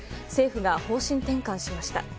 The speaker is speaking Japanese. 政府が方針転換しました。